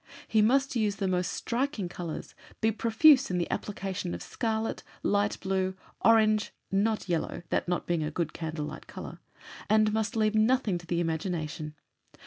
He must use the most striking colours, be profuse in the application of scarlet, light blue, orange not yellow that not being a good candle light colour and must leave nothing to the imagination.